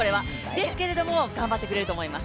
ですけれども頑張ってくれると思います。